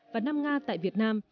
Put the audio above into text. và năm nga tại việt nam